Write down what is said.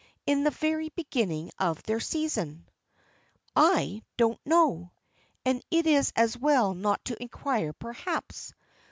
In the very beginning of their season?" "I don't know. And it is as well not to inquire perhaps.